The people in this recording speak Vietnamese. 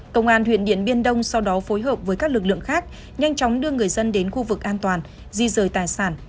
công an huyện điện biên đông sau đó phối hợp với các lực lượng khác nhanh chóng đưa người dân đến khu vực an toàn di rời tài sản